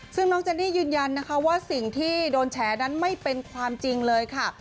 ซึ่งน้องเจนนี่ยืนยันนะคะว่าสิ่งที่โดนแฉนั้นไม่เป็นความจริงเลยค่ะ